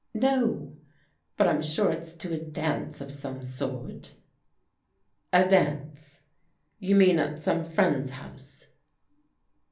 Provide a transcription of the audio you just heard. " No ; but I'm sure it's to a dance of some sort !"" A dance? You mean at some friend's house?